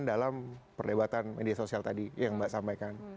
dalam perdebatan media sosial tadi yang mbak sampaikan